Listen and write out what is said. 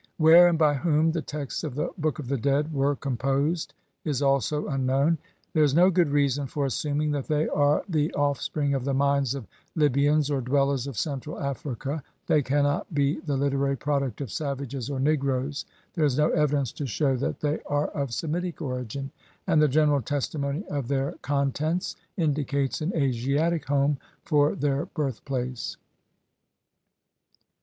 Where and by whom the texts of the Book of the Dead were composed is also unknown. There is no good reason for assuming that they are the off spring of the minds of Libyans or dwellers of Central Africa, they cannot be the literary product of savages or negroes, there is no evidence to shew that they are of Semitic origin, and the general testimony of their contents indicates an Asiatic home for their birth place.